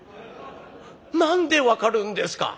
何で分かるんですか？」。